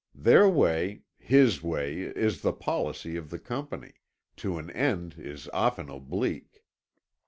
Their way—his way is the policy of the Company—to an end is often oblique.